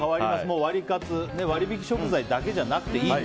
割引食材だけじゃなくていいと。